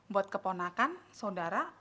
buat keponakan saudara